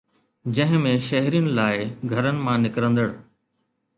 جنهن ۾ شهرين لاءِ گهرن مان نڪرندڙ